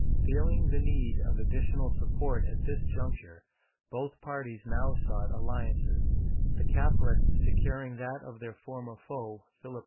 Feeling the need of additional support at this juncture, both parties now sought alliances, the Catholics securing that of their former foe Philip II.